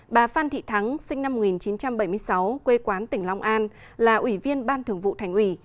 bà phan thị thắng sinh năm một nghìn chín trăm bảy mươi sáu quê quán tỉnh long an là ủy viên ban thường vụ thành ủy